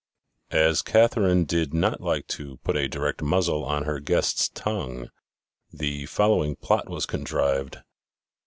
As Cathe rine did not like to put a direct muzzle on her guest's tongue, the following plot was contrived.